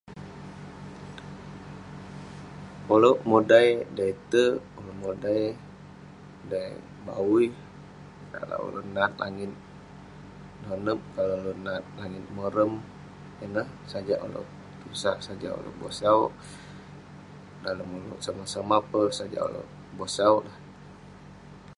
Ulouk modai dei terk, ulouk modai dei bawuih. Kalau ulouk nat langit nonep, kalau ulouk nat langit morem. Sajak ulouk tusah, sajak ulouk bosau. Dalem ulouk somah-somah peh, sajak ulouk bosau.